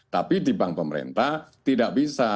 tapi di bank pemerintah tidak bisa